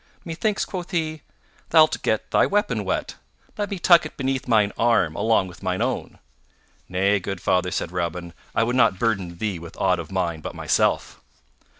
"Methinks," quoth he, "thou'lt get thy weapon wet. Let me tuck it beneath mine arm along with mine own." "Nay, good father," said Robin, "I would not burden thee with aught of mine but myself."